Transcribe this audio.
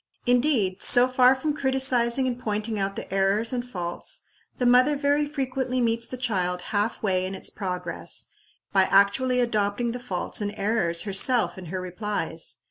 Indeed, so far from criticising and pointing out the errors and faults, the mother very frequently meets the child half way in its progress, by actually adopting the faults and errors herself in her replies.